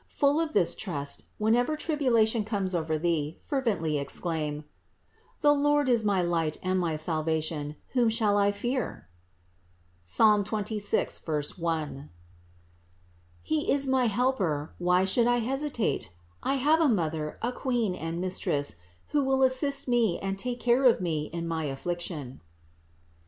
Full of this trust, whenever tribulation comes over thee, fervently exclaim: "The Lord is my light and my salvation, whom shall I fear? (Psalm 26, 1). He is my Helper, why should I hesitate? I have a Mother, a Queen and Mistress, who will assist me and take care of me in my affliction."